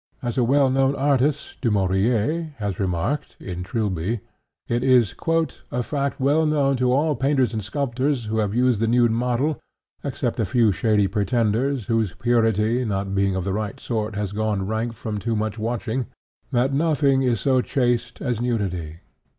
As a well known artist, Du Maurier, has remarked (in Trilby), it is "a fact well known to all painters and sculptors who have used the nude model (except a few shady pretenders, whose purity, not being of the right sort, has gone rank from too much watching) that nothing is so chaste as nudity.